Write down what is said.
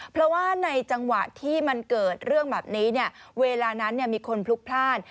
เพราะว่าในจังหวะที่มันเกิดเรื่องแบบนี้เวลานั้นมีคนพลุกพลาด